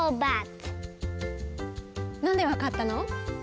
なんでわかったの？